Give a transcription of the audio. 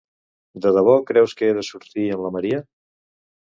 De debó creus que he de sortir amb la Maria?